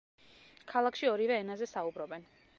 ქალაქში ორივე ენაზე საუბრობენ.